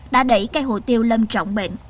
đã đẩy cây hồ tiêu lâm trọng bệnh